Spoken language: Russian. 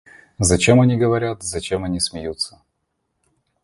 Зачем они говорят, зачем они смеются?